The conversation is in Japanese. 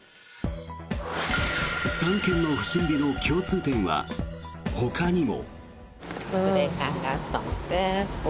３件の不審火の共通点はほかにも。